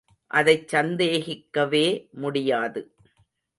அதைச் சந்தேகிக்கவே முடியாது.